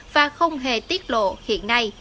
và không hề tiết lộ hiện nay